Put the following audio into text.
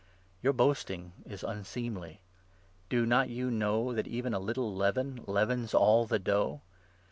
Your boasting is unseemly. Do not you know 6 that even a little leaven leavens all the dough